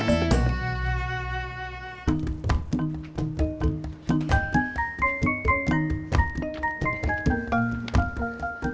sampai jumpa lagi